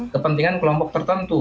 kepentingan kelompok tertentu